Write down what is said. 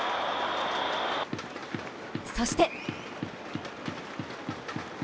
そして！